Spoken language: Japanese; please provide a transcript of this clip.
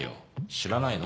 知らないの？